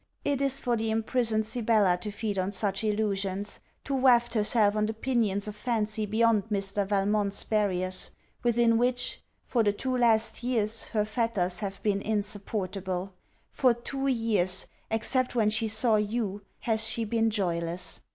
It is for the imprisoned Sibella to feed on such illusions, to waft herself on the pinions of fancy beyond Mr. Valmont's barriers, within which, for the two last years, her fetters have been insupportable: for two years, except when she saw you, has she been joyless.